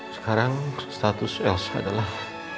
sekarang status elsa adalah